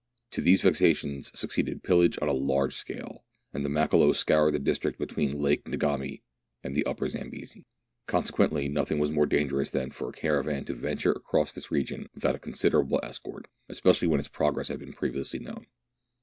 To these vexations succeeded pillage on a large scale, and the Makololos scoured the district between Lake Ngami and the Upper Zambesi. Consequently nothing was more dangerous than for a caravan to venture across this region without a considerable escort, especially when its progress had been previously known.